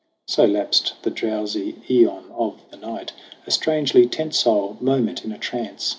So lapsed the drowsy aeon of the night A strangely tensile moment in a trance.